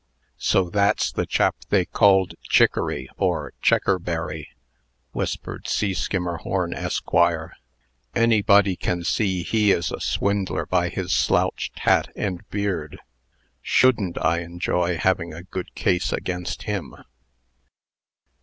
"So that's the chap they called Chicory, or Checkerberry," whispered C. Skimmerhorn, Esq. "Anybody can see he is a swindler by his slouched hat, and beard. Shouldn't I enjoy having a good case against him!"